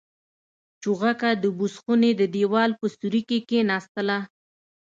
چوغکه د بوس خونې د دېوال په سوري کې کېناستله.